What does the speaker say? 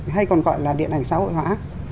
hay còn gọi là điện ảnh xã hội hóa